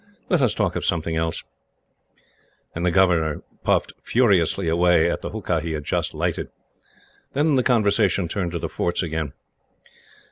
Let us talk of something else." And the governor puffed furiously away at the hookah he had just lighted. Then the conversation turned to the forts again.